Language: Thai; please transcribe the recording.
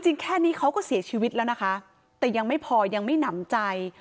แค่นี้เขาก็เสียชีวิตแล้วนะคะแต่ยังไม่พอยังไม่หนำใจ